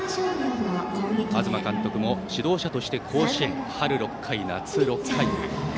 東監督も指導者として甲子園春６回、夏６回。